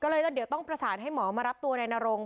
ก็เลยเดี๋ยวต้องประสานให้หมอมารับตัวนายนรง